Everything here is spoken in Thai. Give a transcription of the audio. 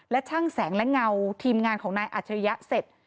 และช่างแสงและเงาทีมงานของนายอัจฉริยะเสร็จ